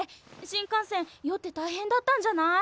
新幹線酔って大変だったんじゃない？